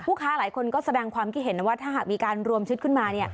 ค้าหลายคนก็แสดงความคิดเห็นนะว่าถ้าหากมีการรวมชุดขึ้นมา